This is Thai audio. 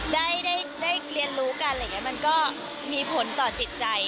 ได้เรียนรู้กันมันก็มีผลต่อจิตใจ